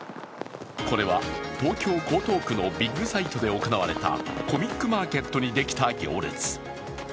これは東京・江東区のビッグサイトで行われたコミックマーケットにできた行列。